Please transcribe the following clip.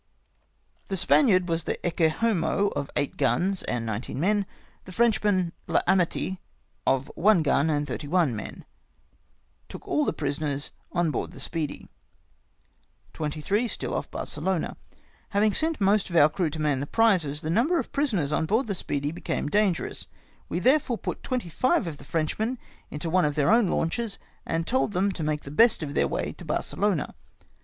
The Spaniard was the Ecce Homo of eight guns and nineteen men, the Frenchman VAmitie of one gun and thirty one men. Took all the prisoners on board the Speedy. " 23. — Still off Barcelona. Having sent most of our crew to man the prizes, the number of prisoners on board the Speedy became dangerous ; we therefore put twenty five of the Frenchmen into one of their own launches, and told them to make the best of their way to Barcelona.